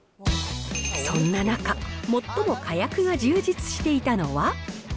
そんな中、最もかやくが充実していたのは。